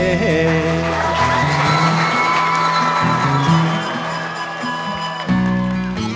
เจ้าความลับรักที่เริ่มสุข